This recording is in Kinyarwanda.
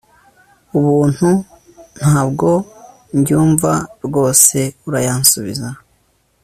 ubuntu ntabwo byumva rwose urayansubiza